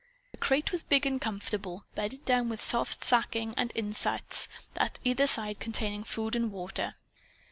The crate was big and comfortable, bedded down with soft sacking and with "insets" at either side containing food and water.